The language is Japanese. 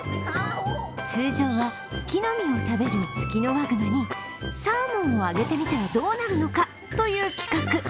通常は、木の実を食べるツキノワグマにサーモンをあげてみたらどうなるのか、という企画。